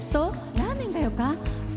ラーメンがよかね？